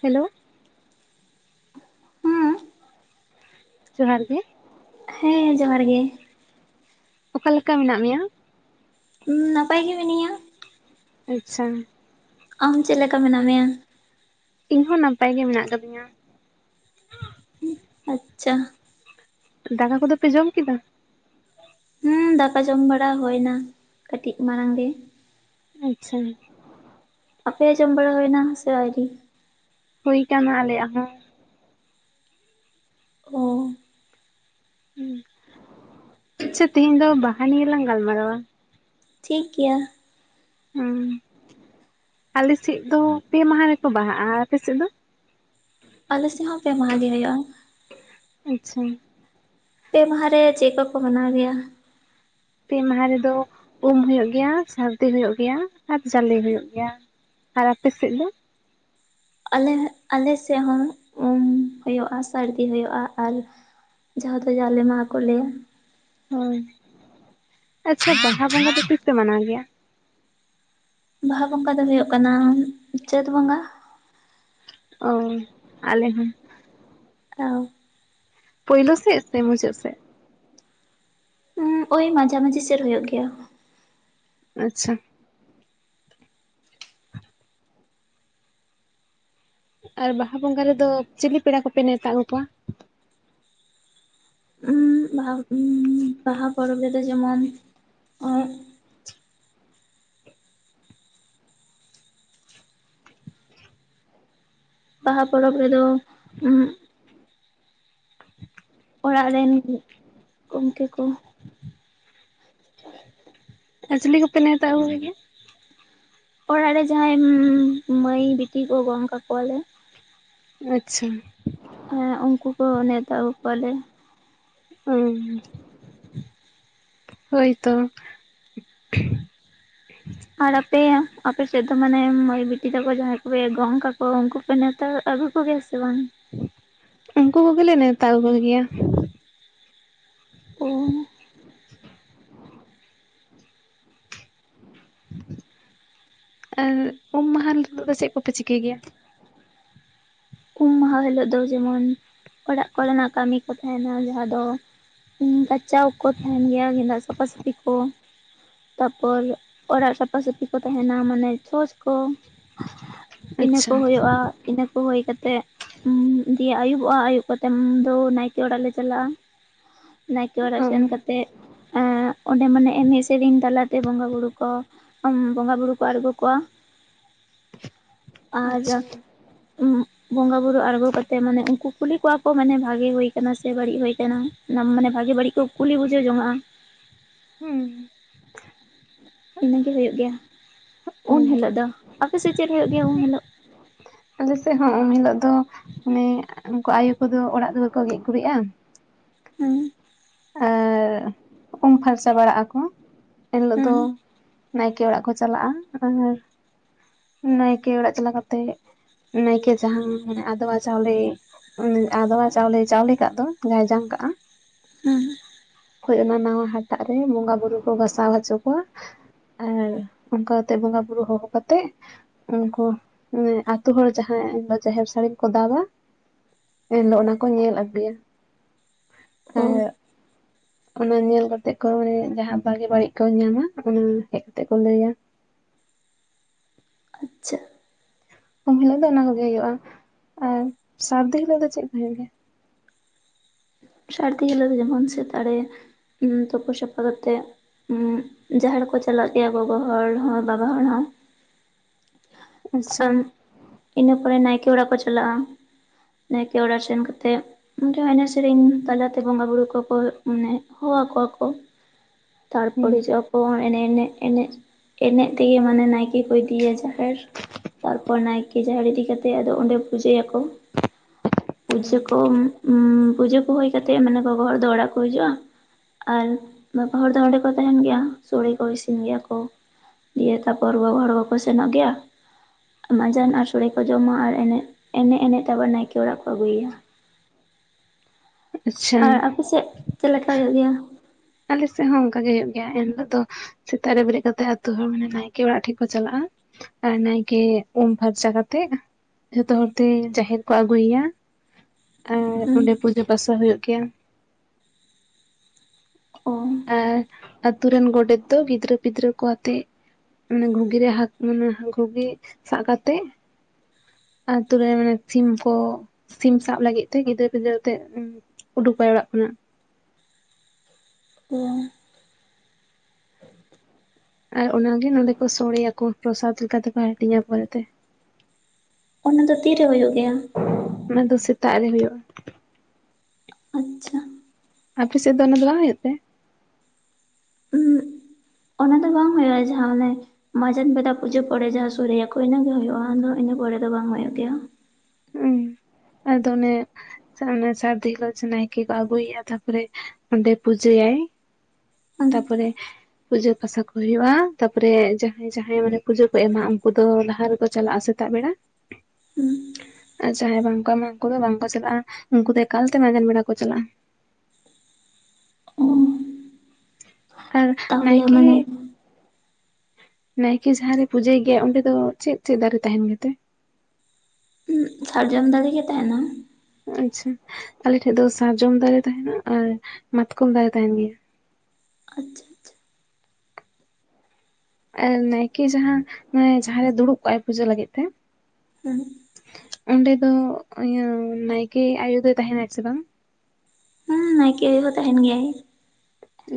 Hello. ᱦᱩᱸ ᱡᱚᱦᱟᱨ ᱜᱮ᱾ ᱦᱮᱸ ᱡᱚᱦᱟᱨ ᱜᱮ᱾ ᱚᱠᱟ ᱞᱮᱠᱟ ᱢᱮᱱᱟᱜ ᱢᱮᱭᱟ? ᱩᱸ ᱱᱟᱯᱟᱭ ᱜᱮ ᱢᱤᱱᱤᱧᱟ᱾ ᱟᱪᱪᱷᱟ᱾ ᱟᱢ ᱪᱮᱜ ᱞᱮᱠᱟ ᱢᱮᱱᱟᱜ ᱢᱮᱭᱟ? ᱤᱧ ᱦᱚᱸ ᱱᱟᱯᱟᱭ ᱜᱮ ᱢᱮᱱᱟᱜ ᱠᱟᱫᱤᱧᱟ᱾ ᱟᱪᱪᱷᱟ᱾ ᱫᱟᱠᱟ ᱠᱚᱫᱚ ᱯᱮ ᱡᱚᱢ ᱠᱮᱫᱟ? ᱦᱩᱸ ᱫᱟᱠᱟ ᱡᱚᱢ ᱵᱟᱲᱟ ᱦᱩᱭᱱᱟ ᱠᱟᱹᱴᱤᱡ ᱢᱟᱨᱟᱝ ᱜᱮ᱾ ᱟᱪᱪᱷᱟ᱾ ᱟᱯᱮᱭᱟᱜ ᱟᱸᱡᱚᱢ ᱵᱟᱲᱟ ᱦᱩᱭᱱᱟ ᱥᱮ ᱟᱹᱣᱨᱤ? ᱦᱩᱭ ᱠᱟᱱᱟ ᱟᱞᱮᱭᱟᱜ ᱦᱚᱸ᱾ ᱚ᱾ ᱟᱪᱪᱷᱟ ᱛᱮᱦᱤᱧ ᱫᱚ ᱵᱟᱦᱟ ᱱᱤᱭᱟᱹᱞᱟᱝ ᱜᱟᱞᱢᱟᱨᱟᱣᱟ᱾ ᱴᱷᱤᱠ ᱜᱮᱭᱟ᱾ ᱦᱩᱸ᱾ ᱟᱞᱮᱥᱮᱡ ᱫᱚ ᱯᱮ ᱢᱟᱦᱟ ᱨᱮᱠᱚ ᱵᱟᱦᱟᱜᱼᱟ, ᱟᱯᱮ ᱥᱮᱫ ᱫᱚ? ᱟᱞᱮᱥᱤᱡ ᱦᱚᱸ ᱯᱮ ᱢᱟᱦᱟ ᱜᱮ ᱦᱳᱭᱳᱜᱼᱟ᱾ ᱟᱪᱪᱷᱟ᱾ ᱯᱮ ᱢᱟᱦᱟ ᱨᱮ ᱪᱮ ᱠᱚᱠᱚ ᱢᱟᱱᱟᱣ ᱜᱮᱭᱟ? ᱯᱮ ᱢᱟᱦᱟ ᱨᱮᱫᱚ ᱩᱢ ᱦᱩᱭᱩᱜ ᱜᱮᱭᱟ, ᱥᱟᱹᱨᱫᱤ ᱦᱩᱭᱩᱜ ᱜᱮᱭᱟ, ᱟᱨ ᱡᱟᱞᱮ ᱦᱩᱭᱩᱜ ᱜᱮᱭᱟ᱾ ᱟᱨ ᱟᱯᱮ ᱥᱮᱫ ᱫᱚ? ᱟᱞᱮ ᱟᱞᱮ ᱥᱮᱜ ᱦᱚᱸ ᱩᱢ ᱦᱳᱭᱳᱜᱼᱟ ᱥᱟᱹᱨᱫᱤ ᱦᱳᱭᱳᱜᱼᱟ ᱟᱨ ᱡᱟᱦᱟᱸ ᱫᱚ ᱡᱟᱞᱮ ᱢᱟᱦᱟ ᱠᱚ ᱞᱟᱹᱭᱟ᱾ ᱦᱳᱭ ᱟᱪᱪᱷᱟ ᱵᱟᱦᱟ ᱵᱚᱸᱜᱟ ᱫᱚ ᱛᱤᱥ ᱯᱮ ᱢᱟᱱᱟᱣ ᱜᱮᱭᱟ? ᱵᱟᱦᱟ ᱵᱚᱸᱜᱟ ᱫᱚ ᱦᱳᱭᱳᱜ ᱠᱟᱱᱟ ᱪᱟᱹᱛ ᱵᱚᱸᱜᱟ᱾ ᱚ ᱟᱞᱮ ᱦᱚᱸ᱾ ᱚ᱾ ᱯᱚᱭᱞᱳ ᱥᱮᱜ ᱥᱮ ᱢᱩᱫᱟᱹᱫᱽ ᱥᱮᱜ᱾ ᱦᱩᱸ ᱳᱭ ᱢᱟᱡᱷᱟ ᱢᱟᱷᱡᱤ ᱥᱮᱜ ᱨᱮ ᱦᱩᱭᱳᱜ ᱜᱮᱭᱟ᱾ ᱟᱪᱪᱷᱟ᱾ ᱟᱨ ᱵᱟᱦᱟ ᱵᱚᱸᱜᱟ ᱨᱮᱫᱚ ᱪᱤᱞᱤ ᱯᱮᱲᱟ ᱠᱚᱯᱮ ᱱᱮᱣᱛᱟ ᱟᱹᱜᱩ ᱠᱚᱣᱟ? ᱩᱸᱜ ᱵᱟᱦᱟ ᱵᱟᱦᱟ ᱯᱚᱨᱚᱵᱽ ᱨᱮᱫᱚ ᱡᱮᱢᱚᱱ ᱵᱟᱦᱟ ᱯᱚᱨᱚᱵᱽ ᱨᱮᱫᱚ ᱩᱸ ᱚᱲᱟᱜ ᱨᱮᱱ ᱜᱚᱢᱠᱮ ᱠᱚ ᱟᱨ ᱪᱤᱞᱤ ᱠᱚᱯᱮ ᱱᱮᱣᱛᱟ ᱟᱹᱜᱩ ᱠᱚ ᱜᱮᱭᱟ? ᱚᱲᱟᱜ ᱨᱮ ᱡᱟᱦᱟᱸᱭ ᱢᱟᱹᱭ ᱵᱤᱴᱤ ᱠᱚ ᱜᱚᱝ ᱠᱟᱠ ᱠᱚᱣᱟᱞᱮ ᱟᱪᱪᱷᱟ ᱾ ᱦᱮᱸ ᱩᱱᱠᱩ ᱠᱚ ᱱᱮᱶᱛᱟ ᱟᱹᱜᱩ ᱠᱚᱣᱟᱞᱮ᱾ ᱚᱸ ᱦᱳᱭᱛᱚ ᱾ ᱟᱨ ᱟᱯᱮ, ᱟᱯᱮᱥᱮᱫ ᱫᱚ ᱢᱟᱱᱮ ᱢᱟᱹᱭ ᱵᱤᱴᱤ ᱛᱟᱠᱚ ᱡᱟᱦᱟᱸᱭ ᱠᱚᱯᱮ ᱜᱚᱝ ᱠᱟᱠᱚ ᱩᱱᱠᱩ ᱱᱮᱣᱛᱚ ᱟᱹᱜᱩ ᱠᱚ ᱜᱮᱭᱟ ᱥᱮ ᱵᱟᱝ? ᱩᱱᱠᱩ ᱠᱚᱜᱮᱞᱮ ᱱᱮᱣᱛᱟ ᱠᱚ ᱜᱮᱭᱟ ᱾ ᱚ [inaudible] ᱟᱨ ᱩᱢ ᱢᱟᱦᱟ ᱦᱤᱞᱳᱜ ᱫᱚ ᱪᱮᱫ ᱠᱚᱯᱮ ᱪᱤᱠᱟᱹᱭ ᱜᱮᱭᱟ? ᱩᱢ ᱢᱟᱦᱟ ᱦᱤᱞᱳᱜ ᱫᱚ ᱡᱮᱢᱚᱱ ᱚᱲᱟᱜ ᱠᱚᱨᱮᱱᱟᱜ ᱠᱟᱹᱢᱤ ᱠᱚ ᱛᱟᱦᱮᱱᱟ ᱾ᱡᱟᱦᱟᱸ ᱫᱚ ᱜᱟᱪᱟᱣ ᱠᱚ ᱛᱟᱦᱮᱱ ᱜᱮᱭᱟ ᱜᱮᱸᱫᱟᱜ ᱥᱟᱯᱟ ᱥᱟᱹᱯᱷᱤ ᱠᱚ ᱾ ᱛᱟᱯᱚᱨ ᱚᱲᱟᱜ ᱥᱟᱯᱟ ᱥᱟᱹᱯᱷᱤ ᱠᱚ ᱛᱟᱦᱮᱱᱟ ᱢᱟᱱᱮ ᱪᱷᱚᱪ ᱠᱚ ᱤᱱᱟᱹ ᱟᱪᱪᱷᱟ ᱠᱚ ᱦᱩᱭᱩᱜ-ᱟ, ᱤᱱᱟᱹ ᱠᱚ ᱦᱩᱭ ᱠᱟ ᱛᱮᱜ ᱫᱤᱭᱮ ᱟᱹᱭᱩᱵᱚᱜ-ᱟ, ᱟᱹᱭᱩᱵ ᱠᱟᱛᱮ ᱫᱚ ᱱᱟᱭᱠᱮ ᱚᱲᱟᱜ ᱞᱮ ᱪᱟᱞᱟᱜ-ᱟ ᱾ ᱱᱟᱭᱠᱮ ᱚ ᱚᱲᱟᱜ ᱥᱮᱱ ᱠᱟᱛᱮᱫ, ᱚᱸᱰᱮ ᱢᱟᱱᱮ ᱮᱱᱮᱡ ᱥᱮᱨᱮᱧ ᱛᱟᱞᱟᱛᱮ ᱵᱚᱸᱜᱟ ᱵᱩᱨᱩ ᱠᱚ ᱚᱢ ᱵᱚᱸᱜᱟ ᱵᱩᱨᱩ ᱠᱚ ᱟᱬᱜᱚ ᱠᱚᱣᱟ ᱾ ᱟᱨ ᱟᱪᱪᱷᱟ ᱵᱚᱸᱜᱟ ᱵᱩᱨᱩ ᱟᱬᱜᱚ ᱠᱟᱛᱮᱜ ᱢᱟᱱᱮ ᱩᱱᱠᱩ ᱠᱩᱞᱤ ᱠᱚᱣᱟ ᱠᱚ ᱢᱟᱱᱮ ᱵᱷᱟᱜᱤ ᱦᱳᱭ ᱟᱠᱟᱱᱟ ᱥᱮ ᱵᱟᱹᱲᱤᱡ ᱦᱳᱭ ᱠᱟᱱᱟ ᱾ ᱚᱱᱟ ᱢᱟᱱᱮ ᱵᱷᱟᱜᱮ ᱵᱟᱹᱲᱤᱡ ᱠᱚ ᱠᱩᱞᱤ ᱵᱩᱡᱷᱟᱹ ᱡᱚᱝᱟᱜ-ᱟ ᱾ ᱦᱩᱸ ᱾ ᱤᱱᱟᱹᱜᱤ ᱦᱩᱭᱩᱜ ᱜᱮᱭᱟ ᱩᱱ ᱦᱩᱸ ᱦᱤᱞᱳᱜ ᱫᱚ, ᱟᱯᱮ ᱥᱮᱪ ᱪᱮᱫ ᱦᱩᱭᱩᱜ ᱜᱮᱭᱟ ᱩᱱ ᱦᱤᱞᱳᱜ? ᱟᱞᱮᱥᱮᱫ ᱦᱚᱸ ᱩᱢ ᱦᱤᱞᱚᱜ ᱫᱚ ᱢᱟᱱᱮ ᱩᱱᱠᱩ ᱟᱭᱳ ᱠᱚᱫᱚ ᱚᱲᱟᱜ ᱫᱚ ᱠᱚ ᱜᱮᱡ ᱜᱩᱨᱤᱡ-ᱟ ᱾ ᱦᱩᱸ ᱾ ᱟᱨ ᱩᱢ ᱯᱷᱟᱨᱪᱟ ᱵᱟᱲᱟᱜ ᱟᱠᱚ ᱮᱱᱦᱤᱞᱳᱜ ᱦᱩᱸ ᱫᱚ ᱱᱟᱭᱠᱮ ᱚᱲᱟᱜ ᱠᱚ ᱪᱟᱞᱟᱜ-ᱟ, ᱟᱨ ᱱᱟᱭᱠᱮ ᱚᱲᱟᱜ ᱪᱟᱞᱟᱣ ᱠᱟᱛᱮᱜ ᱱᱟᱭᱠᱮ ᱡᱟᱦᱟᱸ ᱢᱟᱱᱮ ᱟᱫᱣᱟ ᱪᱟᱣᱞᱮ ᱩᱱᱤ ᱟᱫᱚᱣᱟ ᱪᱟᱣᱞᱮ ᱪᱟᱣᱞᱮ ᱠᱟᱜ ᱫᱚ, ᱡᱟᱦᱟᱸᱭ ᱡᱟᱝ ᱠᱟᱜ-ᱟ ᱾ ᱦᱩᱸ ᱾ ᱠᱷᱚᱡ ᱚᱱᱟ ᱱᱟᱣᱟ ᱦᱟᱴᱟᱜ ᱨᱮ ᱵᱚᱸᱜᱟ ᱵᱩᱨᱩ ᱠᱚ ᱜᱟᱥᱟᱣ ᱦᱚᱪᱚ ᱠᱚᱣᱟ ᱾ ᱟᱨ ᱚᱱᱠᱟ ᱠᱟᱛᱮ ᱵᱚᱸᱜᱟ ᱵᱩᱨᱩ ᱦᱚᱦᱚ ᱠᱟᱛᱮᱜ ᱩᱱᱠᱩ ᱢᱟᱱᱮ ᱟᱹᱛᱩ ᱦᱚᱲ ᱡᱟᱦᱟᱸᱭ ᱡᱟᱦᱮᱨ ᱥᱟᱹᱲᱤᱢᱠᱚ ᱫᱟᱵᱟ ᱮᱱᱦᱤᱞᱳᱜ ᱚᱱᱟ ᱠᱚ ᱧᱮᱞ ᱟᱹᱜᱩᱭᱟ ᱾ ᱦᱩᱸ ᱾ ᱚᱱᱟ ᱧᱮᱞ ᱠᱟᱛᱮᱜ ᱠᱚ ᱢᱟᱱᱮ ᱡᱟᱦᱟᱸ ᱵᱷᱟᱜᱤ ᱵᱟᱹᱲᱤᱡ ᱠᱚ ᱧᱟᱢᱟ, ᱚᱱᱟ ᱦᱮᱡ ᱠᱟᱛᱮᱜ ᱠᱚ ᱞᱟᱹᱭᱟ ᱾ ᱟᱪᱪᱷᱟ᱾ ᱩᱢ ᱦᱤᱞᱳᱜ ᱫᱚ ᱚᱱᱟ ᱠᱚᱜᱮ ᱦᱩᱭᱩᱜ-ᱟ, ᱟᱨ ᱥᱟᱹᱨᱫᱤ ᱦᱤᱞᱳᱜ ᱫᱚ ᱪᱮᱫ ᱠᱚ ᱦᱩᱭᱩᱜ ᱜᱮᱭᱟ? ᱥᱟᱹᱨᱫᱤ ᱦᱤᱞᱳᱜ ᱫᱚ ᱡᱮᱢᱚᱱ ᱥᱮᱛᱟᱜ ᱨᱮ ᱛᱩᱯᱩ ᱥᱟᱯᱷᱟ ᱠᱟᱛᱮᱜ ᱦᱩᱸ ᱡᱟᱦᱮᱨ ᱠᱚ ᱪᱟᱞᱟᱜ ᱜᱮᱭᱟ ᱜᱚᱜᱚ ᱦᱚᱲ ᱦᱚᱸ ᱵᱟᱵᱟ ᱦᱚᱲ ᱦᱚᱸ ᱟᱪᱪᱷᱟ ᱟᱸ ᱤᱱᱟᱹ ᱯᱚᱨᱮ ᱱᱟᱭᱠᱮ ᱚᱲᱟᱜ ᱠᱚ ᱪᱟᱞᱟᱜ-ᱟ᱾ ᱱᱟᱭᱠᱮ ᱚᱲᱟᱜ ᱥᱮᱱ ᱠᱟᱛᱮ ᱚᱸᱰᱮ ᱦᱚᱸ ᱮᱱᱮᱡ ᱥᱮᱨᱮᱧ ᱛᱟᱞᱟᱛᱮ ᱵᱚᱸᱜᱟ ᱵᱩᱨᱩ ᱠᱚ ᱢᱟᱱᱮ ᱦᱚᱦᱚ ᱟᱠᱚᱣᱟ ᱠᱚ ᱦᱩᱸ ᱛᱟᱨᱯᱚᱨᱮ ᱠᱚ ᱮᱱᱮᱡ, ᱮᱱᱮᱡ, ᱮᱱᱮᱡ, ᱮᱱᱮᱡ ᱛᱮᱜᱮ ᱢᱟᱱᱮ ᱱᱟᱭᱠᱮ ᱠᱚ ᱤᱫᱤᱭᱟ ᱡᱟᱦᱮᱨ ᱛᱟᱨᱯᱚᱨ ᱱᱟᱭᱠᱮ ᱡᱟᱦᱮᱨ ᱤᱫᱤ ᱠᱟᱛᱮᱫ ᱟᱫᱚ ᱚᱸᱰᱮ ᱯᱩᱡᱟᱹᱭᱟᱠᱚ ᱾ ᱯᱩᱡᱟᱹ ᱠᱚ ᱩᱸ ᱯᱩᱡᱟᱹ ᱠᱚ ᱦᱩᱭ ᱠᱟᱛᱮᱫ ᱢᱟᱱᱮ ᱜᱚᱜᱚ ᱦᱚᱲ ᱫᱚ ᱚᱲᱟᱜ ᱠᱚ ᱦᱤᱡᱩᱜᱼᱟ, ᱟᱨ ᱵᱟᱵᱟ ᱦᱚᱲ ᱫᱚ ᱚᱸᱰᱮ ᱠᱚ ᱛᱟᱦᱮᱸᱱ ᱜᱮᱭᱟ ᱥᱳᱲᱮ ᱠᱚ ᱤᱥᱤᱱ ᱜᱮᱭᱟ ᱠᱚ᱾ ᱫᱤᱭᱮ ᱛᱟᱯᱚᱨ ᱜᱚᱜᱚ ᱦᱚᱲ ᱵᱟᱠᱚ ᱥᱮᱱᱚᱜ ᱜᱮᱭᱟ? ᱢᱟᱸᱡᱟᱱ ᱟᱨ ᱥᱳᱲᱮ ᱠᱚ ᱡᱚᱢᱟ ᱟᱨ ᱮᱱᱮᱡ ᱮᱱᱮᱡ ᱮᱱᱮᱡ ᱛᱮ ᱟᱵᱟᱨ ᱱᱟᱭᱠᱮ ᱚᱲᱟᱜ ᱠᱚ ᱟᱹᱜᱩᱭᱟ᱾ ᱟᱪᱪᱷᱟ ᱟᱨ ᱟᱯᱮ ᱥᱮᱜ ᱪᱮᱫ ᱞᱮᱠᱟ ᱦᱩᱭᱩᱜ ᱜᱮᱭᱟ? ᱟᱞᱮ ᱥᱮᱫ ᱦᱚᱸ ᱚᱝᱠᱟ ᱜᱮ ᱦᱩᱭᱩᱜ ᱜᱮᱭᱟ ᱮᱱᱦᱤᱞᱳᱜ ᱫᱚ ᱥᱮᱛᱟᱜ ᱨᱮ ᱵᱮᱨᱮᱫ ᱠᱟᱛᱮᱜ ᱟᱹᱛᱩ ᱦᱚᱲ ᱢᱟᱱᱮ ᱱᱟᱭᱠᱮ ᱚᱲᱟᱜ ᱴᱷᱮᱡ ᱠᱚ ᱪᱟᱞᱟᱜᱼᱟ, ᱟᱨ ᱱᱟᱭᱠᱮ ᱩᱢ ᱯᱷᱟᱨᱪᱟ ᱠᱟᱛᱮᱛ ᱡᱷᱚᱛᱚ ᱦᱚᱲ ᱛᱮ ᱡᱟᱦᱮᱨ ᱠᱚ ᱟᱜᱩᱭ ᱭᱟ ᱟᱨ ᱦᱩᱸ ᱚᱸᱰᱮ ᱯᱩᱡᱟᱹ ᱯᱟᱥᱟ ᱦᱩᱭᱩᱜ ᱜᱮᱭᱟ᱾ ᱚ ᱟᱨ ᱟᱛᱩ ᱨᱮᱱ ᱜᱚᱰᱮᱛ ᱫᱚ ᱜᱤᱫᱽᱨᱟᱹ ᱯᱤᱫᱽᱨᱟᱹ ᱠᱚ ᱟᱛᱮᱜ ᱢᱟᱱᱮ ᱜᱷᱩᱜᱤ ᱨᱮ ᱦᱟᱠ ᱢᱟᱱᱮ ᱜᱷᱩᱜᱤ ᱥᱟᱵ ᱠᱟᱛᱮᱜ ᱟᱛᱩ ᱨᱮ ᱢᱟᱱᱮ ᱥᱤᱢ ᱠᱚ ᱥᱤᱢ ᱥᱟᱵ ᱞᱟᱹᱜᱤᱫ ᱛᱮ ᱜᱤᱫᱽᱨᱟᱹ ᱯᱤᱫᱽᱨᱟᱹ ᱛᱮᱜ ᱩᱸ ᱩᱰᱩᱠᱟᱭ ᱚᱲᱟᱜ ᱠᱷᱚᱱᱟᱜ᱾ [inaudible] ᱟᱨ ᱚᱱᱟ ᱜᱮ ᱱᱚᱸᱰᱮ ᱠᱚ ᱥᱚᱲᱮ ᱭᱟᱠᱚ ᱯᱨᱚᱥᱟᱛ ᱞᱮᱠᱟ ᱛᱮᱠᱚ ᱦᱟᱹᱴᱤᱧᱟ ᱯᱚᱨᱮ ᱛᱮ᱾ ᱚᱱᱟ ᱫᱚ ᱛᱤᱨᱮ ᱦᱩᱭᱩᱜ ᱜᱮᱭᱟ? ᱚᱱᱟ ᱫᱚ ᱥᱮᱛᱟᱜ ᱨᱮ ᱦᱩᱭᱩᱜ-ᱟ᱾ ᱟᱪᱪᱷᱟ ᱟᱯᱮ ᱥᱮᱜ ᱫᱚ ᱚᱱᱟ ᱫᱚ ᱵᱟᱝ ᱦᱩᱭᱩᱜ ᱛᱮ? ᱩᱸ ᱚᱱᱟ ᱫᱚ ᱵᱟᱝ ᱦᱩᱭᱩᱜᱼᱟ ᱡᱟᱦᱟᱸ ᱚᱱᱮ ᱢᱟᱡᱟᱱ ᱵᱮᱰᱟ ᱯᱩᱡᱟᱹ ᱯᱚᱨᱮ ᱡᱟᱦᱟᱸ ᱥᱚᱲᱮ ᱭᱟᱠᱚ ᱤᱱᱟᱹ ᱜᱮ ᱦᱩᱭᱩᱜᱼᱟ, ᱟᱫᱚ ᱤᱱᱟᱹ ᱯᱚᱨᱮ ᱫᱚ ᱵᱟᱝ ᱦᱩᱭᱩᱜ ᱜᱮᱭᱟ᱾ ᱦᱩᱸ ᱟᱫᱚ ᱚᱱᱮ ᱥᱮ ᱚᱱᱮ ᱥᱟᱨᱫᱤ ᱦᱤᱞᱳᱜ ᱡᱮ ᱱᱟᱭᱠᱮ ᱠᱚ ᱟᱜᱩᱭ ᱭᱟ ᱛᱟᱨᱯᱚᱨᱮ ᱚᱸᱰᱮ ᱯᱩᱡᱟᱹ ᱭᱟᱭ, ᱦᱩᱸ ᱛᱟᱯᱚᱨᱮ ᱯᱩᱡᱟᱹ ᱯᱟᱥᱟ ᱠᱚ ᱦᱩᱭᱩᱜᱼᱟ, ᱛᱟᱯᱚᱨᱮ ᱡᱟᱦᱟᱸᱭ ᱡᱟᱦᱟᱸᱭ ᱢᱟᱱᱮ ᱯᱩᱡᱟᱹ ᱠᱚ ᱮᱢᱟ ᱩᱱᱠᱩ ᱫᱚ ᱞᱟᱦᱟ ᱨᱮᱠᱚ ᱪᱟᱞᱟᱜᱼᱟ ᱥᱮ ᱥᱮᱛᱟᱜ ᱵᱮᱲᱟ᱾ ᱦᱩᱸ ᱟᱨ ᱡᱟᱦᱟᱸᱭ ᱵᱟᱝ ᱠᱚ ᱮᱢᱟ ᱩᱝᱠᱩ ᱫᱚ ᱵᱟᱝ ᱠᱚ ᱪᱟᱞᱟᱜᱼᱟ ᱩᱝᱠᱩ ᱫᱚ ᱮᱠᱟᱞ ᱛᱮ ᱢᱟᱸᱡᱟᱱ ᱵᱮᱲᱟ ᱠᱚ ᱪᱟᱞᱟᱜᱼᱟ᱾ ᱚ ᱟᱨ ᱛᱟᱦᱚᱞᱮ ᱱᱟᱭᱠᱮ ᱢᱟᱱᱮ ᱱᱟᱭᱠᱮ ᱡᱟᱦᱟᱸ ᱨᱮᱭ ᱯᱩᱡᱟᱹᱭ ᱜᱮᱭᱟ ᱚᱸᱰᱮ ᱫᱚ ᱪᱮᱫ ᱪᱮᱫ ᱫᱟᱨᱮ ᱛᱟᱦᱮᱸᱱ ᱜᱮᱛᱮ? ᱥᱟᱨᱡᱚᱢ ᱫᱟᱨᱮ ᱜᱮ ᱛᱟᱦᱮᱸᱱᱟ᱾ ᱚ ᱟᱪᱪᱷᱟ, ᱟᱞᱮ ᱴᱷᱮᱡ ᱫᱚ ᱥᱟᱨᱡᱚᱢ ᱫᱟᱨᱮ ᱛᱟᱦᱮᱸᱱᱟ ᱟᱨ ᱢᱟᱛᱠᱚᱢ ᱫᱟᱨᱮ ᱛᱟᱦᱮᱸᱱ ᱜᱮᱭᱟ᱾ ᱟᱪᱪᱷᱟ ᱟᱨ ᱱᱟᱭᱠᱮ ᱡᱟᱦᱟᱸ ᱢᱟᱱᱮ ᱡᱟᱦᱟᱸ ᱨᱮ ᱫᱩᱲᱩᱵ ᱠᱚᱜ-ᱟᱭ ᱯᱩᱡᱟᱹ ᱞᱟᱹᱜᱤᱫ ᱛᱮ ᱦᱩᱸ᱾ ᱚᱸᱰᱮ ᱫᱚ ᱤᱭᱟᱹ ᱱᱟᱭᱠᱮ ᱟᱭᱳ ᱫᱚᱭ ᱛᱟᱦᱮᱸᱱᱟᱭ ᱥᱮ ᱵᱟᱝ? ᱦᱮᱸ ᱱᱟᱭᱠᱮ ᱟᱹᱭᱩ ᱦᱚᱸ ᱛᱟᱦᱮᱸᱱ ᱜᱮᱭᱟᱭ᱾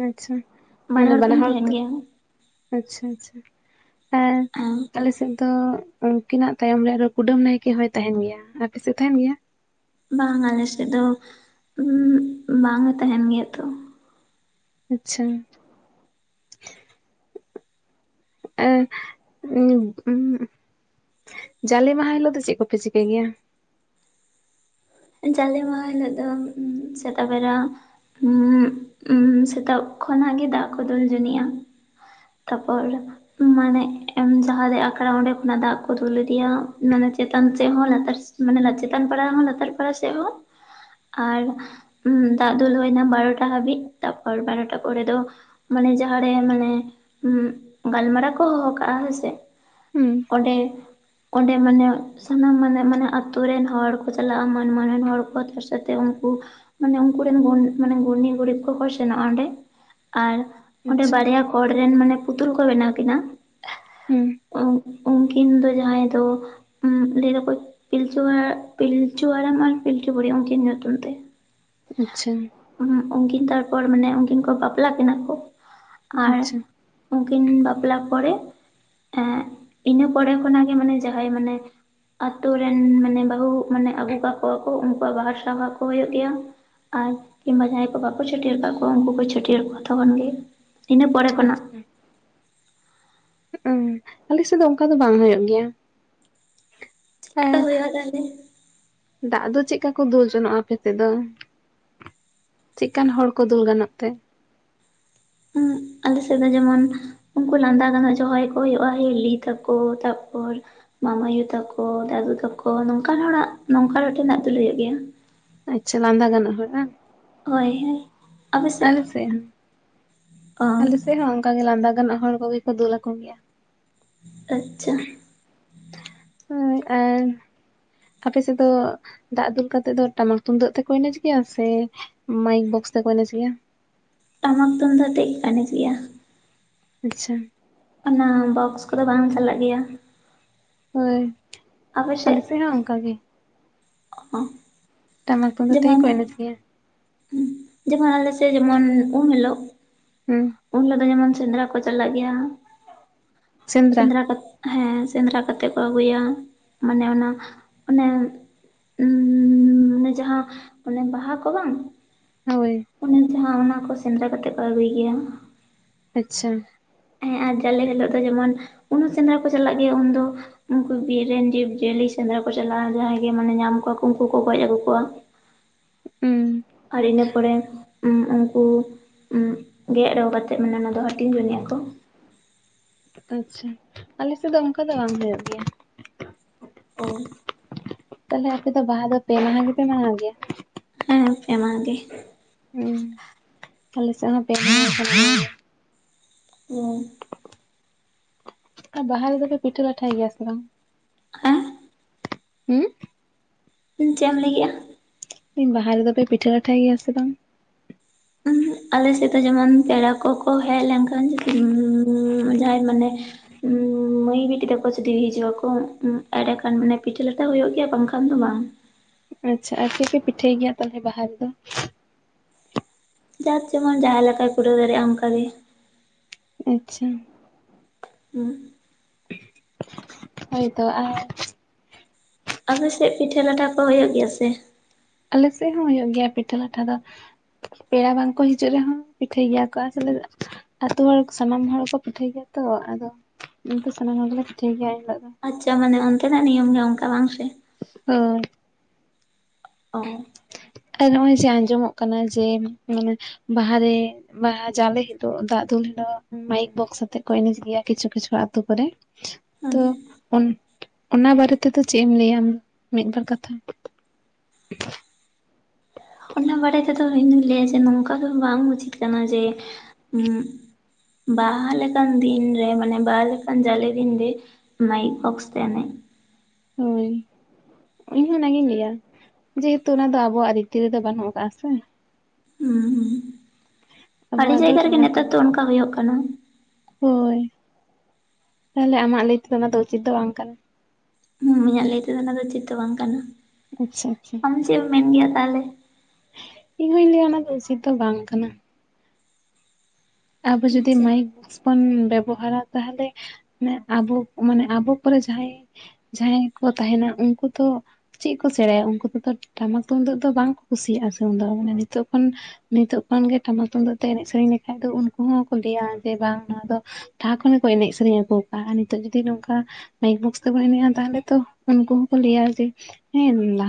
ᱟᱪᱪᱷᱟ, ᱢᱟᱱᱮ ᱵᱟᱱᱟ ᱠᱤᱱ ᱦᱚᱲ ᱛᱮ ᱛᱟᱦᱮᱱ ᱜᱮᱭᱟ ᱟᱪᱪᱷᱟ ᱟᱪᱪᱷᱟ᱾ ᱦᱮᱸ ᱟᱞᱮ ᱥᱮᱫ ᱫᱚ ᱩᱱᱠᱤᱱᱟᱜ ᱛᱟᱭᱚᱢ ᱨᱮ ᱟᱨᱚ ᱠᱩᱰᱟᱹᱢ ᱱᱟᱭᱠᱮ ᱦᱚᱸᱭ ᱛᱟᱦᱮᱸᱱ ᱜᱮᱭᱟ, ᱟᱯᱮ ᱥᱮᱜ ᱛᱟᱦᱮᱸᱱ ᱜᱮᱭᱟ? ᱵᱟᱝ ᱟᱞᱮ ᱥᱮᱫ ᱫᱚ ᱩᱸᱜ ᱵᱟᱝᱮ ᱛᱟᱦᱮᱸᱱ ᱜᱮᱭᱟ ᱛᱚ᱾ ᱟᱪᱪᱷᱟ᱾ ᱮᱸ ᱩᱸ ᱩᱸᱜ ᱡᱟᱞᱮ ᱢᱟᱦᱟᱸ ᱦᱤᱞᱳᱜ ᱫᱚ ᱪᱮᱜ ᱠᱚᱯᱮ ᱪᱤᱠᱟᱭ ᱜᱮᱭᱟ? ᱡᱟᱞᱮ ᱢᱟᱦᱟᱸ ᱦᱤᱞᱳᱜ ᱫᱚ ᱩᱢ ᱥᱮᱛᱟᱜ ᱵᱮᱨᱟ ᱩᱸᱜ ᱩᱸ ᱥᱮᱛᱟᱜ ᱠᱷᱚᱱᱟᱜ ᱜᱮ ᱫᱟᱜ ᱠᱚ ᱫᱩᱞ ᱡᱚᱱᱤᱜᱼᱟ᱾ ᱛᱟᱯᱚᱨ ᱢᱟᱱᱮ‌ ᱮᱢ ᱡᱟᱦᱟᱸ ᱨᱮ ᱟᱠᱷᱲᱟ ᱚᱸᱰᱮ ᱠᱷᱚᱱᱟᱜ ᱫᱟᱜ ᱠᱚ ᱫᱩᱞ ᱤᱫᱤᱭᱟ ᱢᱟᱱᱮ ᱪᱮᱛᱟᱱ ᱥᱮᱫ ᱦᱚᱸ ᱞᱟᱛᱟᱨ ᱥᱮ ᱢᱟᱱᱮ ᱞᱟ ᱪᱮᱛᱟᱱ ᱯᱟᱲᱟ ᱦᱚᱸ ᱞᱟᱛᱟᱨ ᱯᱟᱲᱟ ᱥᱮᱜ ᱦᱚᱸ ᱟᱨ ᱩᱸᱢ ᱫᱟᱜ ᱫᱩᱞ ᱦᱩᱭ ᱱᱟ ᱵᱟᱨᱚᱴᱟ ᱦᱟᱹᱵᱤᱡ ᱛᱟᱯᱚᱲ ᱵᱟᱨᱚᱴᱟ ᱯᱚᱨᱮ ᱫᱚᱼᱼ ᱢᱟᱱᱮ ᱡᱟᱦᱟᱸ ᱨᱮ ᱢᱟᱱᱮ ᱩᱸᱜ ᱜᱟᱞᱢᱟᱨᱟᱣ ᱠᱚ ᱦᱚᱦᱚ ᱠᱟᱜ-ᱟ ᱦᱚᱭ ᱥᱮ᱾ ᱦᱩᱸ᱾ ᱚᱸᱰᱮ ᱚᱸᱰᱮ ᱢᱟᱱᱮ ᱥᱟᱱᱟᱢ ᱢᱟᱱᱮ ᱢᱮᱱᱟᱜ ᱟᱛᱩ ᱨᱮᱱ ᱦᱚᱲ ᱠᱚ ᱪᱟᱞᱟᱜ-ᱟ ᱢᱟᱼᱼ ᱢᱟᱱᱟᱱ ᱦᱚᱲ ᱠᱚ ᱛᱚᱨ ᱥᱚᱛᱮ ᱩᱱᱠᱩᱼᱼ ᱢᱟᱱᱮ ᱩᱱᱠᱩ ᱨᱮᱱ ᱜᱩᱱ ᱢᱟᱱᱮ ᱜᱩᱱᱤ ᱜᱩᱨᱤᱵᱽ ᱠᱚᱠᱚ ᱥᱮᱱᱚᱜ-ᱟ ᱚᱸᱰᱮ ᱟᱨᱼᱼ ᱚᱸᱰᱮ ᱟᱪᱪᱷᱟ ᱵᱟᱨᱭᱟ ᱠᱚᱲ ᱨᱮᱱ ᱢᱟᱱᱮ ᱯᱩᱛᱩᱞ ᱠᱚ ᱵᱮᱱᱟᱣ ᱠᱤᱱᱟ, ᱦᱩᱸ ᱩᱱᱠᱤᱱ ᱫᱚ ᱡᱟᱦᱟᱸᱭ ᱫᱚ ᱩᱸᱜ ᱞᱟᱹᱭ ᱫᱟᱠᱚ ᱯᱤᱞᱪᱩ ᱦᱟᱲᱟᱜ ᱯᱤᱞᱪᱩᱼᱼ ᱪᱩ ᱦᱟᱲᱟᱢ ᱟᱨ ᱯᱤᱞᱪᱩ ᱵᱩᱲᱦᱤ ᱩᱱᱠᱤᱱ ᱧᱩᱛᱩᱢ ᱛᱮ᱾ ᱟᱸᱪᱪᱷᱟ᱾ ᱚᱱᱟ ᱩᱱᱠᱤᱱ ᱛᱟᱨᱯᱚᱨ ᱢᱟᱱᱮ ᱩᱱᱠᱤᱱ ᱠᱚ ᱵᱟᱯᱞᱟ ᱠᱤᱱᱟ ᱠᱚ ᱟᱸᱨᱼᱼ ᱟᱪᱪᱷᱟ ᱩᱝᱠᱤᱱ ᱵᱟᱯᱞᱟ ᱯᱚᱨᱮᱼᱼ ᱦᱮ ᱸ ᱤᱱᱟᱹ ᱯᱚᱨᱮ ᱠᱷᱚᱱ ᱟᱜ ᱜᱮ ᱢᱟᱱᱮ ᱡᱟᱦᱟᱸᱭ ᱢᱟᱱᱮ ᱟᱹᱛᱳ ᱨᱮᱱ ᱢᱟᱱᱮ ᱵᱟᱹᱦᱩ ᱢᱟᱱᱮ ᱟᱹᱜᱩ ᱠᱟᱜ ᱠᱚᱣᱟ ᱠᱚ ᱩᱱᱠᱩ ᱣᱟᱜ ᱵᱟᱦᱟ ᱥᱟᱸᱦᱟ ᱠᱚ ᱦᱩᱭᱩᱜ ᱜᱮᱭᱟ ᱟᱨ ᱠᱤᱱᱵᱟ ᱡᱟᱸᱦᱟᱭ ᱠᱚ ᱵᱟᱠᱚ ᱪᱷᱟᱹᱴᱭᱟᱹᱨ ᱠᱟᱫ ᱠᱚᱣᱟ ᱩᱱᱠᱩ ᱠᱚ ᱪᱷᱟᱹᱴᱭᱟᱹᱨ ᱠᱚᱣᱟ ᱛᱚᱠᱷᱚᱱ ᱜᱮ ᱤᱱᱟᱹ ᱯᱚᱨᱮ ᱠᱷᱚᱱ ᱟᱜ ᱟᱪᱪᱷᱟ ᱟᱞᱮ ᱥᱮᱫ ᱫᱚ ᱚᱱᱠᱟ ᱫᱚ ᱵᱟᱝ ᱦᱩᱭᱩᱜ ᱜᱮᱭᱟ ᱟᱨ [unintelligible] ᱦᱩᱭᱩᱜᱼᱟ ᱛᱟᱞᱦᱮ ᱫᱟᱜ ᱫᱚ ᱪᱮᱫ ᱞᱮᱠᱟ ᱠᱚ ᱫᱩᱞ ᱡᱚᱱᱚᱜᱼᱟ ᱟᱯᱮ ᱥᱮᱫ ᱫᱚ ᱪᱮᱫ ᱠᱟᱱ ᱦᱚᱲ ᱠᱚ ᱫᱩᱞ ᱜᱟᱱᱚᱜ ᱛᱮ ᱦᱩᱸ ᱟᱞᱮ ᱥᱮᱫ ᱫᱚ ᱡᱮᱢᱚᱱ ᱩᱱᱠᱩ ᱞᱟᱸᱫᱟ ᱜᱟᱱᱚᱜ ᱡᱟᱦᱟᱭ ᱠᱚ ᱦᱳᱭᱳᱜᱼᱟ ᱦᱤᱞᱤ ᱛᱟᱠᱚ ᱛᱟᱯᱚᱨ ᱢᱟᱢᱟᱭᱩ ᱛᱟᱠᱚ ᱫᱟᱫᱩ ᱛᱟᱠᱚ ᱱᱚᱝᱠᱟᱱ ᱦᱚᱲ ᱟᱜ ᱱᱚᱝᱠᱟᱱ ᱦᱚᱲ ᱴᱷᱮ ᱦᱸᱟᱜ ᱫᱩᱞ ᱦᱩᱭᱩᱜ ᱜᱮᱭᱟ ᱟᱪᱪᱷᱟ ᱞᱟᱸᱫᱟ ᱜᱟᱱᱚᱜ ᱦᱚᱲ ᱵᱟᱝ ᱦᱳᱭ ᱦᱳᱭ ᱟᱞᱮ ᱥᱮᱫ ᱦᱚᱸ ᱚ ᱟᱞᱮ ᱥᱮᱫ ᱦᱚᱸ ᱚᱱᱠᱟ ᱜᱮ ᱞᱟᱸᱫᱟ ᱜᱟᱱᱚᱜ ᱦᱚᱲ ᱠᱚᱜᱮ ᱠᱚ ᱫᱩᱞ ᱟᱠᱚ ᱜᱮᱭᱟ ᱟᱪᱪᱷᱟ ᱦᱳᱭ ᱟᱨ ᱟᱯᱮ ᱥᱮᱫ ᱫᱚ ᱫᱟᱜ ᱫᱩᱞ ᱠᱟᱛᱮᱜ ᱫᱚ ᱴᱟᱢᱟᱠ ᱛᱩᱢᱫᱟᱹᱜ ᱛᱮᱠᱚ ᱮᱱᱮᱡ ᱜᱮᱭᱟ ᱥᱮ ᱢᱟᱭᱤᱠ ᱵᱚᱠᱥ ᱛᱮᱠᱚ ᱮᱱᱮᱡᱽ ᱜᱮᱭᱟ ᱴᱟᱢᱟᱠ ᱛᱩᱢᱫᱟᱜ ᱟᱛᱮᱫ ᱜᱮᱠᱚ ᱮᱱᱮᱡᱽ ᱜᱮᱭᱟ ᱟᱪᱪᱷᱟ ᱚᱱᱟ ᱵᱚᱠᱥ ᱠᱚᱫᱚ ᱵᱟᱝ ᱪᱟᱞᱟᱜ ᱜᱮᱭᱟ ᱦᱳᱭ ᱟᱞᱮ ᱥᱮᱫ ᱦᱚᱸ ᱚᱱᱠᱟ ᱜᱮ ᱚ ᱴᱟᱢᱟᱠ ᱛᱩᱢᱫᱟᱜ ᱛᱮᱜᱮ ᱠᱚ ᱮᱱᱮᱡ ᱜᱮᱭᱟ ᱦᱩᱸ ᱡᱮ ᱢᱚᱱ ᱟᱞᱮ ᱥᱮᱫ ᱡᱮᱢ ᱚᱱ ᱩᱸᱢ ᱦᱤᱞᱳᱜ ᱦᱩᱸ ᱩᱱ ᱦᱤᱞᱳᱜ ᱫᱚ ᱡᱮ ᱢᱚᱱ ᱥᱮᱸᱫᱽᱨᱟ ᱠᱚ ᱪᱟᱞᱟᱜ ᱜᱮᱭᱟ ᱥᱮᱸᱫᱽᱨᱟ ᱦᱮᱸ ᱥᱮᱸᱫᱽᱨᱟ ᱠᱟᱛᱮᱜ ᱠᱚ ᱟᱹᱜᱩᱭᱟ ᱢᱟᱱᱮ ᱚᱱᱟ ᱚᱱᱮ ᱢᱟᱱᱮ ᱡᱟᱦᱟ ᱢᱟᱱᱮ ᱵᱟᱦᱟ ᱠᱚ ᱵᱟᱝ ᱦᱳᱭ ᱚᱱᱮ ᱡᱟᱦᱟ ᱚᱱᱟ ᱠᱚ ᱥᱮᱸᱫᱽᱨᱟ ᱠᱟᱛᱮᱫ ᱠᱚ ᱟᱹᱜᱩᱭ ᱜᱮᱭᱟ ᱟᱪᱪᱷᱟ ᱦᱮᱸ ᱟᱨ ᱡᱟᱞᱮ ᱦᱤᱞᱳᱜ ᱫᱚ ᱡᱮ ᱢᱚᱱ ᱩᱱ ᱦᱚᱸ ᱥᱮᱸᱫᱽᱨᱟ ᱠᱚ ᱪᱟᱞᱟᱜ ᱜᱮᱭᱟ ᱩᱱᱫᱚ ᱩᱱᱠᱩ ᱵᱤᱨ ᱨᱮᱱ ᱡᱤᱵᱽ ᱡᱤᱭᱟᱹᱞᱤ ᱥᱮᱸᱫᱽᱨᱟ ᱠᱚ ᱪᱟᱞᱟᱜᱼᱟ ᱡᱟᱸᱦᱟᱭ ᱜᱮ ᱢᱟᱱᱮ ᱧᱟᱢ ᱠᱚᱣᱟ ᱠᱚ ᱩᱱᱠᱩ ᱠᱚ ᱜᱚᱡ ᱟᱹᱜᱩ ᱠᱚᱣᱟ ᱩᱸ ᱟᱨ ᱤᱱᱟᱹ ᱯᱚᱨᱮ ᱩᱸ ᱩᱱᱠᱩ ᱩᱸ ᱜᱮᱸᱫ ᱨᱚ ᱠᱟᱛᱮᱜ ᱢᱟᱱᱮ ᱚᱱᱟ ᱫᱚ ᱦᱟᱹᱴᱤᱧ ᱡᱚᱱᱤᱜ ᱟᱠᱚ, ᱟᱪᱪᱷᱟ ᱟᱞᱮ ᱥᱮᱫ ᱫᱚ ᱚᱱᱠᱟ ᱫᱚ ᱵᱟᱝ ᱦᱩᱭᱩᱜ ᱜᱮᱭᱟ᱾ ᱚᱸ ᱛᱟᱦᱞᱮ ᱟᱯᱮ ᱫᱚ ᱵᱟᱦᱟ ᱫᱚ ᱯᱮ ᱢᱟᱦᱟᱸ ᱜᱮᱯᱮ ᱢᱟᱱᱟᱣ ᱜᱮᱭᱟ? ᱦᱮᱸ ᱯᱮ ᱢᱟᱦᱟᱸ ᱜᱮ᱾ ᱦᱩᱸ ᱟᱞᱮ ᱥᱮᱫ ᱦᱚ ᱯᱮ ᱢᱟᱦᱟᱸ ᱞᱮ ᱢᱟᱱᱟᱣ ᱜᱮᱭᱟ᱾ ᱩᱸ ᱟᱨ ᱵᱟᱦᱟ ᱨᱮᱫᱚ ᱯᱮ ᱯᱤᱴᱟᱹ ᱞᱟᱴᱷᱟᱭ ᱜᱮᱭᱟ ᱥᱮ ᱵᱟᱝ? ᱟᱸ ᱦᱩᱸ ᱦᱩᱸ ᱪᱮᱫ ᱮᱢ ᱞᱟᱹᱭ ᱠᱮᱜᱼᱟ? ᱤᱧ ᱵᱟᱦᱟ ᱨᱮ ᱫᱚ ᱯᱮ ᱯᱤᱴᱟᱹ ᱞᱟᱴᱷᱟᱭ ᱜᱮᱭᱟ ᱥᱮ ᱵᱟᱝ? [inaudible] ᱟᱞᱮ ᱥᱮᱫ ᱫᱚ ᱡᱮᱢᱚᱱ ᱯᱮᱲᱟ ᱠᱚᱠᱚ ᱦᱮᱜ ᱞᱮᱱ ᱠᱷᱟᱱ ᱡᱩᱫᱤ ᱩᱸᱻ ᱡᱟᱸᱦᱟᱭ ᱢᱟᱱᱮ, ᱩᱸ ᱢᱟᱹᱭ ᱵᱤᱴᱤ ᱛᱟᱠᱚ ᱡᱩᱫᱤ ᱦᱤᱡᱩᱜ ᱟᱠᱚ ᱮᱸᱰᱮ ᱠᱷᱟᱱ ᱢᱟᱱᱮ ᱯᱤᱴᱷᱟᱹ ᱞᱟᱴᱷᱟ ᱦᱳᱭᱳᱜ ᱜᱮᱭᱟ ᱵᱟᱝ ᱠᱷᱟᱱ ᱫᱚ ᱵᱟᱝ᱾ ᱟᱪᱪᱷᱟ ᱟᱨ ᱪᱮᱫ ᱯᱮ ᱯᱤᱴᱷᱟᱹᱭ ᱜᱮᱭᱟ ᱛᱟᱦᱚᱞᱮ ᱵᱟᱦᱟ ᱨᱮᱫᱚ? ᱡᱟᱨ ᱡᱮᱢᱚᱱ ᱡᱟᱦᱟᱸ ᱞᱮᱠᱟᱭ ᱠᱩᱨᱟᱹᱣ ᱫᱟᱨᱮᱭᱟᱜ-ᱟ ᱚᱝᱠᱟᱜᱮ᱾ ᱟᱪᱪᱷᱟ, ᱦᱩᱸ ᱦᱳᱭᱛᱚ ᱟᱨ, ᱟᱯᱮ ᱥᱮᱜ ᱯᱤᱴᱷᱟᱹ ᱞᱟᱴᱷᱟ ᱠᱚ ᱦᱳᱭᱳᱜ ᱜᱮᱭᱟ ᱥᱮ? ᱟᱞᱮ ᱥᱮᱜ ᱦᱚᱸ ᱦᱩᱭᱩᱜ ᱜᱮᱭᱟ ᱯᱤᱴᱷᱟᱹ ᱞᱟᱴᱷᱟ ᱫᱚ᱾ ᱯᱮᱲᱟ ᱵᱟᱝᱠᱚ ᱦᱤᱡᱩᱜ ᱨᱮᱦᱚᱸ ᱯᱤᱴᱷᱟᱹᱭ ᱜᱮᱭᱟ ᱠᱚ [unintelligible] ᱟᱛᱩ ᱦᱚᱲ ᱥᱟᱱᱟᱢ ᱦᱚᱲ ᱠᱚ ᱯᱤᱴᱷᱟᱹᱭ ᱜᱮᱭᱟ ᱛᱚ ᱟᱫᱚ ᱚᱱᱟ ᱛᱮ ᱥᱟᱱᱟᱢ ᱦᱚᱲ ᱜᱮᱞᱮ ᱯᱤᱴᱷᱟᱹᱭ ᱜᱮᱭᱟ ᱮᱱᱦᱤᱞᱳᱜ ᱫᱚ᱾ ᱟᱪᱪᱷᱟ ᱢᱟᱱᱮ ᱚᱱᱛᱮᱱᱟᱜ ᱱᱤᱭᱚᱢ ᱜᱮ ᱚᱝᱠᱟ ᱵᱟᱝ ᱥᱮ, ᱦᱳᱭ᱾ ᱚᱸ ᱟᱨ ᱱᱚᱜ-ᱚᱭ ᱡᱮ ᱟᱸᱡᱚᱢᱚᱜ ᱠᱟᱱᱟ ᱡᱮ ᱢᱟᱱᱮ ᱵᱟᱦᱟᱨᱮ, ᱵᱟᱦᱟ ᱡᱟᱞᱮ ᱦᱤᱞᱳᱜ ᱫᱟᱜᱽ ᱫᱩᱞ ᱦᱤᱞᱳᱜ ᱢᱟᱭᱤᱠ ᱵᱚᱠᱥ ᱟᱛᱮᱜ ᱠᱚ ᱮᱱᱮᱡ ᱜᱮᱭᱟ ᱠᱤᱪᱷᱩ ᱠᱤᱪᱷᱩ ᱟᱛᱳ ᱠᱚᱨᱮ, ᱦᱩᱸ ᱛᱚ ᱚᱱ ᱚᱱᱟ ᱵᱟᱨᱮ ᱛᱮᱫᱚ ᱪᱮᱫ ᱮᱢ ᱞᱟᱹᱭᱟ ᱢᱤᱫᱵᱟᱨ ᱠᱟᱛᱷᱟ? ᱚᱱᱟ ᱵᱟᱨᱮ ᱛᱮᱫᱚ ᱤᱧᱫᱩᱧ ᱞᱟᱹᱭᱟ ᱡᱮ ᱱᱚᱝᱠᱟ ᱫᱚ ᱵᱟᱝ ᱩᱪᱤᱛ ᱠᱟᱱᱟ ᱡᱮ ᱩᱸᱜ, ᱵᱟᱦᱟ ᱞᱮᱠᱟᱱ ᱫᱤᱱ ᱨᱮ ᱢᱟᱱᱮ ᱵᱟᱦᱟ ᱞᱮᱠᱟᱱ ᱡᱟᱞᱮ ᱫᱤᱱ ᱨᱮ, ᱢᱟᱭᱤᱠ ᱵᱚᱠᱥ ᱛᱮ ᱮᱱᱮᱜ᱾ ᱦᱳᱭ, ᱤᱧᱦᱚ ᱚᱱᱟᱜᱤᱧ ᱞᱟᱹᱭᱟ ᱡᱮᱦᱮᱛᱩ ᱩᱱᱟ ᱫᱚ ᱟᱵᱚᱣᱟᱜ ᱨᱤᱛᱤ ᱨᱮᱫᱚ ᱵᱟᱹᱱᱩᱜ ᱟᱠᱟᱜ-ᱟ ᱥᱮ᱾ ᱦᱩᱸ ᱦᱩᱸ ᱦᱩᱸ ᱟᱹᱰᱤ ᱟᱵᱚᱣᱟᱜ ᱫᱚ ᱡᱟᱭᱜᱟ ᱨᱮᱜᱮ ᱴᱟᱢᱟᱠ ᱱᱮᱛᱟᱨ ᱫᱚ ᱛᱩᱢᱫᱟᱜ ᱚᱝᱠᱟ ᱦᱩᱭᱩᱜ ᱠᱟᱱᱟ᱾ ᱦᱳᱭ ᱛᱟᱦᱚᱞᱮ ᱟᱢᱟᱜ ᱞᱟᱹᱭ ᱛᱮᱫᱚ ᱚᱱᱟ ᱫᱚ ᱩᱪᱤᱛ ᱫᱚ ᱵᱟᱝ ᱠᱟᱱᱟ, ᱦᱩᱸ ᱤᱧᱟᱜ ᱞᱟᱹᱭ ᱛᱮᱫᱚ ᱚᱱᱟ ᱫᱚ ᱩᱪᱤᱛ ᱫᱚ ᱵᱟᱝ ᱠᱟᱱᱟ᱾ ᱟᱪᱪᱷᱟ ᱟᱪᱪᱷᱟ, ᱟᱢ ᱪᱮᱫ ᱮᱢ ᱢᱮᱱ ᱜᱮᱭᱟ ᱛᱟᱦᱚᱞᱮ ᱤᱧᱦᱩᱧ ᱞᱟᱹᱭᱟ ᱚᱱᱟ ᱫᱚ ᱩᱪᱤᱛ ᱫᱚ ᱵᱟᱝ ᱠᱟᱱᱟ᱾ ᱟᱵᱚ ᱡᱩᱫᱤ ᱟᱪᱪᱷᱟ ᱢᱟᱭᱤᱠ ᱵᱚᱠᱥ ᱵᱚᱱ ᱵᱮᱵ ᱵᱚᱦᱟᱨᱟ ᱛᱟᱦᱚᱞᱮ ᱢᱟᱱᱮ ᱟᱵᱚ ᱢᱟᱱᱮ ᱟᱵᱚ ᱯᱚᱨᱮ ᱡᱟᱦᱟᱸᱭ, ᱡᱟᱦᱟᱸᱭ ᱠᱚ ᱛᱟᱦᱮᱸᱱᱟ ᱩᱱᱠᱩ ᱛᱚ, ᱪᱮᱫ ᱠᱚ ᱥᱮᱬᱟᱭᱟ ᱩᱝᱠᱩ ᱫᱚ ᱴᱟᱢᱟᱠ ᱛᱩᱢᱫᱟᱹᱜ ᱫᱚ ᱵᱟᱝᱠᱚ ᱠᱩᱥᱤᱭᱟᱜᱼᱟ ᱥᱮ ᱩᱱ ᱫᱚ ᱱᱤᱛᱚᱜ ᱠᱷᱚᱱ ᱱᱤᱛᱚᱜ ᱠᱷᱚᱱ ᱜᱮ ᱴᱟᱢᱟᱠ ᱛᱩᱢᱫᱟᱜ ᱛᱮ ᱮᱱᱮᱡ ᱥᱮᱨᱮᱧ ᱞᱮᱠᱷᱟᱡ ᱫᱚ ᱩᱱᱠᱩ ᱦᱚᱸᱠᱚ ᱞᱟᱹᱭᱟ ᱡᱮ ᱵᱟᱝ ᱱᱩᱣᱟ ᱫᱚ ᱞᱟᱦᱟ ᱠᱷᱚᱱ ᱜᱮ ᱠᱚ ᱮᱱᱮᱡ ᱥᱮᱨᱮᱧ ᱟᱹᱜᱩ ᱠᱟᱜ-ᱟ ᱟᱨ ᱱᱤᱛᱚᱜ ᱡᱩᱫᱤ ᱱᱩᱝᱠᱟ ᱢᱟᱭᱤᱠ ᱵᱚᱠᱥ ᱛᱮ ᱵᱚᱱ ᱮᱱᱮᱡ-ᱟ ᱛᱟᱦᱞᱮ ᱛᱚ ᱩᱱᱠᱩ ᱦᱚᱸᱠᱚ ᱞᱟᱹᱭᱟ ᱡᱮ ᱦᱮᱸ ᱞᱟᱦᱟ